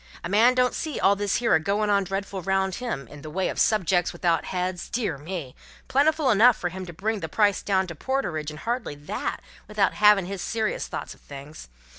A man don't see all this here a goin' on dreadful round him, in the way of Subjects without heads, dear me, plentiful enough fur to bring the price down to porterage and hardly that, without havin' his serious thoughts of things.